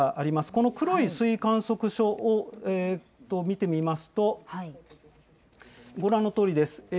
この黒い水位観測所を見てみますと、ご覧のとおりです。